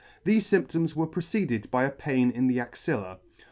Thefe fymptoms were preceded by a pain in the axilla.